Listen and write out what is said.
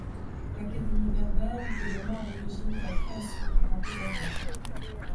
L'Académie berbère est également à l'origine de la création du drapeau berbère.